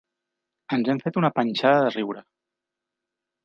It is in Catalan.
Ens hem fet una panxada de riure.